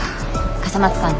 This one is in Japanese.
笠松さん